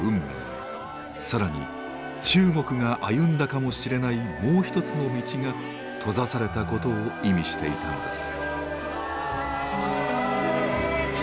更に中国が歩んだかもしれないもう一つの道が閉ざされたことを意味していたのです。